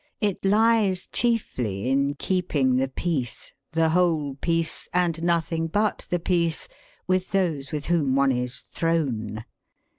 It lies chiefly in keeping the peace, the whole peace, and nothing but the peace, with those with whom one is 'thrown.'